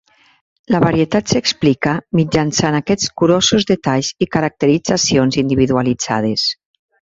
La varietat s'explica mitjançant aquests curosos detalls i caracteritzacions individualitzades.